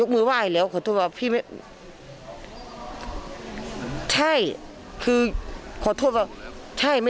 สวัสดีครับ